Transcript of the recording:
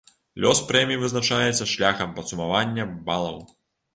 Лёс прэміі вызначаецца шляхам падсумавання балаў.